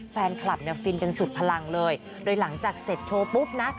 แฟนคลับเนี่ยฟินกันสุดพลังเลยโดยหลังจากเสร็จโชว์ปุ๊บนะ